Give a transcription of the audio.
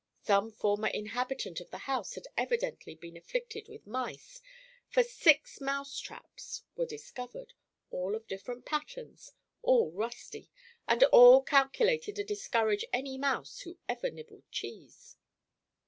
Some former inhabitant of the house had evidently been afflicted with mice, for six mouse traps were discovered, all of different patterns, all rusty, and all calculated to discourage any mouse who ever nibbled cheese.